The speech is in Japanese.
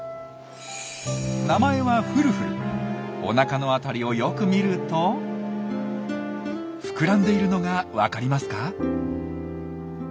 名前はおなかの辺りをよく見ると膨らんでいるのが分かりますか？